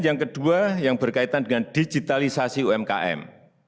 yang kedua yang berkaitan dengan digitalisasi umkm